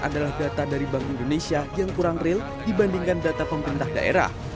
adalah data dari bank indonesia yang kurang real dibandingkan data pemerintah daerah